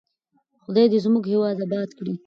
خدای دې زموږ هېواد اباد کړي.